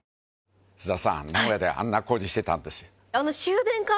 榲弔気名古屋であんな工事してたんです。